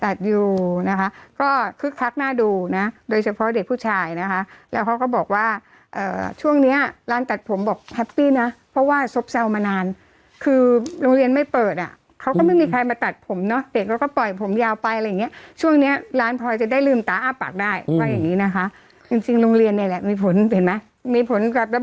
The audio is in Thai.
อยู่นะคะก็คึกคักน่าดูนะโดยเฉพาะเด็กผู้ชายนะคะแล้วเขาก็บอกว่าช่วงเนี้ยร้านตัดผมบอกแฮปปี้นะเพราะว่าซบเศร้ามานานคือโรงเรียนไม่เปิดอ่ะเขาก็ไม่มีใครมาตัดผมเนาะเด็กเขาก็ปล่อยผมยาวไปอะไรอย่างเงี้ยช่วงเนี้ยร้านพลอยจะได้ลืมตาอ้าปากได้ว่าอย่างงี้นะคะจริงจริงโรงเรียนเนี่ยแหละมีผลเห็นไหมมีผลกับระ